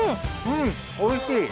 うんおいしい。